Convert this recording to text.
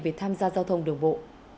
về tham gia giao thông đường bộ